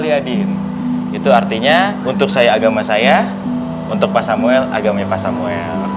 yadin itu artinya untuk saya agama saya untuk pak samuel agamanya pak samuel